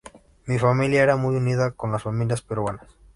Mi familia era muy unida con las familias peruanas.